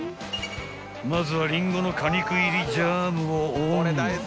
［まずはりんごの果肉入りジャムをオン］